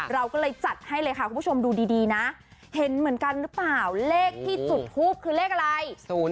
เราก็เลยจัดให้เลยค่ะคุณผู้ชมดูดีนะเห็นเหมือนกันหรือเปล่าเลขที่จุดทูปคือเลขอะไร